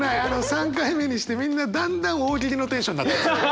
３回目にしてみんなだんだん大喜利のテンションに。